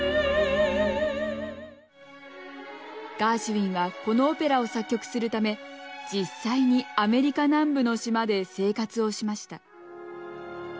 ガーシュウィンはこのオペラを作曲するため実際にアメリカ南部の島で生活をしました。